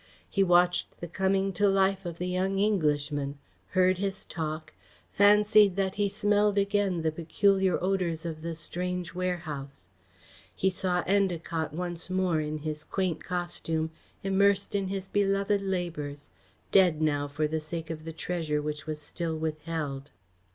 He watched the coming to life of the young Englishman, heard his talk, fancied that he smelled again the peculiar odours of that strange warehouse. He saw Endacott once more in his quaint costume, immersed in his beloved labours dead now, for the sake of the treasure which was still withheld.